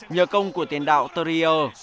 nhờ công của tiền đạo thurier